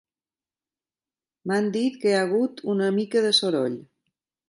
M'han dit que hi ha hagut una mica de soroll